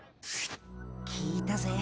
聞いたぜ。